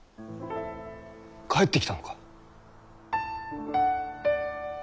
帰ってきたのか？